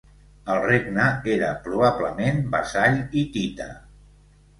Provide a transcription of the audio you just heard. El regne era probablement vassall hitita.